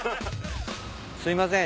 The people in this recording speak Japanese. すいません。